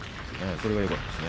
それがよかったですね。